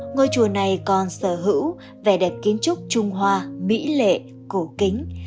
ngôi chùa này còn sở hữu vẻ đẹp kiến trúc trung hoa mỹ lệ cổ kính